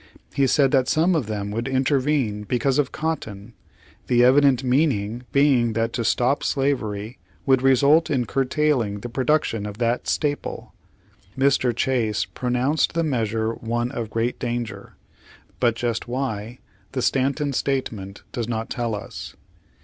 He said that some of them would intervene because of cotton, the evident meaning being that to stop slavery would result in curtailing the production of that staple. Mr. Chase pronounced the measure one of great danger, but just why, the Stanton statement does not tell us.